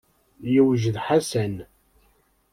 Yewjed Ḥasan.